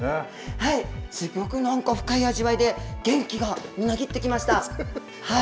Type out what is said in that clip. すギョくなんか深い味わいで、元気がみなぎってきました。